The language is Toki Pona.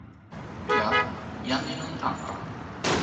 mi la, jan li lon anpa.